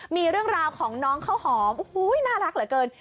มีเรื่องราวของน้องข้าวหอมโอ้โหน่ารักเหลือเกิน